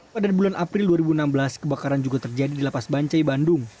pada bulan april dua ribu enam belas kebakaran juga terjadi di lapas bancai bandung